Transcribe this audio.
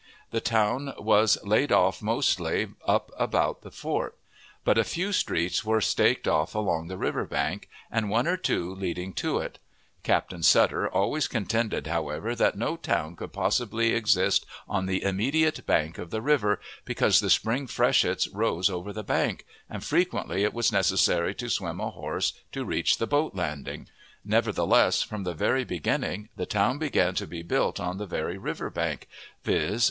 The town was laid off mostly up about the fort, but a few streets were staked off along the river bank, and one or two leading to it. Captain Sutter always contended, however, that no town could possibly exist on the immediate bank of the river, because the spring freshets rose over the bank, and frequently it was necessary to swim a horse to reach the boat landing. Nevertheless, from the very beginning the town began to be built on the very river bank, viz.